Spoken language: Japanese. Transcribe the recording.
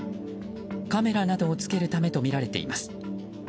カメラなどをつけるためとみられています。